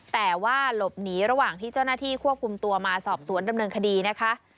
แต่ว่าหลบหนีระหว่างที่เจ้าหน้าที่ควบคุมตัวมาสอบสวนดำเนินคดีนะคะ